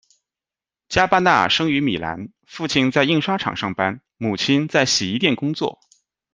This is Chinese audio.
加巴纳生于米兰，父亲在印刷厂上班，母亲在洗衣店工作。